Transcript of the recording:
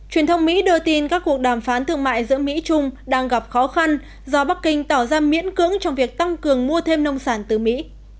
truyền thông mỹ đưa tin các cuộc đàm phán thương mại giữa mỹ trung đang gặp khó khăn do bắc kinh tỏ ra miễn cưỡng trong việc tăng cường mua thêm nông sản từ mỹ